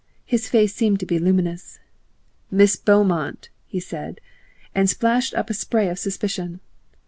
His face seemed to be luminous. "MISS BEAUMONT," he said, and splashed up a spray of suspicion.